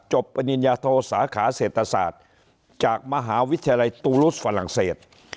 ปริญญาโทสาขาเศรษฐศาสตร์จากมหาวิทยาลัยตูรุษฝรั่งเศส